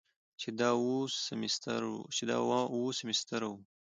چې دا اووه سميسترو کې